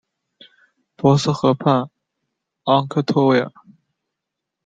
博斯河畔昂克托维尔。